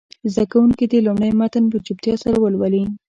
زده کوونکي دې لومړی متن په چوپتیا سره ولولي.